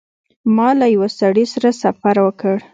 ما له یوه سړي سره سفر وکړ.